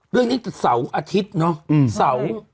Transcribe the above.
เรื่องนี้เสาร์อาทิตย์เนาะเสาร์